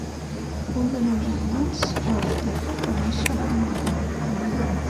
Un de nou germans, Ralph Tucker va néixer a Hymera, Indiana.